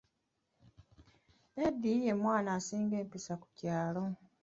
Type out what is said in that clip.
Eddy ye mwana asinga empisa ku kyalo.